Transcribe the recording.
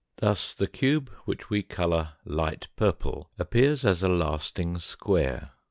Thus the cube which we colour light purple appears as a lasting square.